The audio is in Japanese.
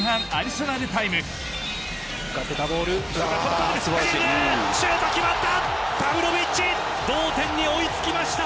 シュート決まった。